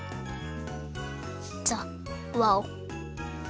ざっ！わお。